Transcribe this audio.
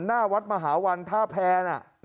หน้าวัดมหาวันท่าแพร